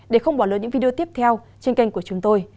để không bỏ lỡ những video tiếp theo trên kênh của chúng tôi